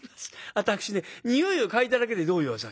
私ねにおいを嗅いだだけでどういうお酒だか。